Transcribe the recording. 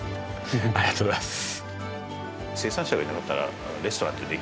ありがとうございます。